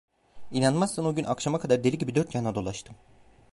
İnanmazsın, o gün akşama kadar deli gibi dört yana dolaştım.